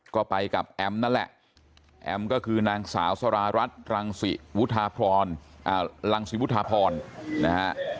ก็ไปกับแอมนั่นแหละแอมก็คือนางสาวสารารัฐรังสิวุธาพรรังสิวุฒาพรนะฮะ